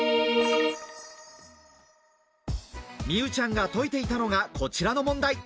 美羽ちゃんが解いていたのがこちらの問題。